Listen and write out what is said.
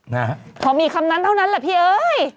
นะฮะพอมีคำนั้นเท่านั้นแหละพี่เอ้ย